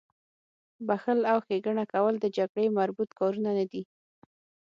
بخښل او ښېګڼه کول د جګړې مربوط کارونه نه دي